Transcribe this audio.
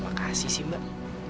makasih sih mbak